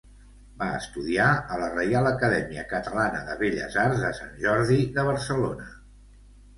Va estudiar a la Reial Acadèmia Catalana de Belles Arts de Sant Jordi de Barcelona.